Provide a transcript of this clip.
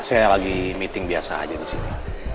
saya lagi meeting biasa aja disini